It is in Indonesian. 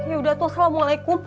yaudah toh assalamualaikum